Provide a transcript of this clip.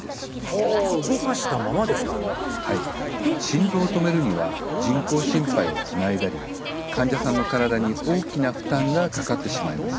心臓を止めるには人工心肺をつないだり患者さんの体に大きな負担がかかってしまいます。